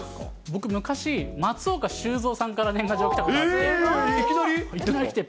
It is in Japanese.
僕、昔、松岡修造さんから年賀状、来たことあって。